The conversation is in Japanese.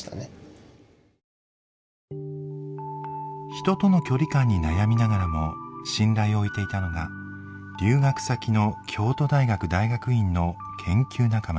人との距離感に悩みながらも信頼を置いていたのが留学先の京都大学大学院の研究仲間でした。